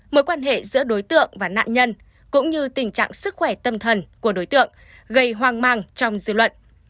mối quan hệ giữa đối tượng và nạn nhân cũng như tình trạng sức khỏe tâm thần của đối tượng gây hoang mang trong dư luận